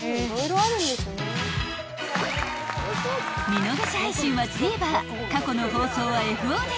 ［見逃し配信はＴＶｅｒ過去の放送はＦＯＤで］